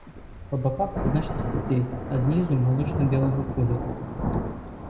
Па баках значна святлей, а знізу малочна-белага колеру.